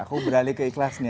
aku beralih ke ikhlas nih